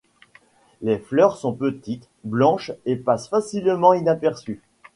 Les fleurs sont petites, blanches et passent facilement inaperçues.